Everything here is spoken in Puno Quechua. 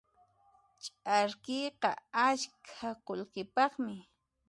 Ch'arkiyqa askha qullqipaqmi.